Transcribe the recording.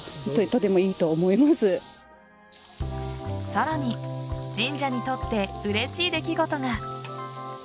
さらに神社にとってうれしい出来事が。